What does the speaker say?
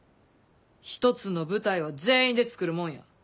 一つの舞台は全員で作るもんや。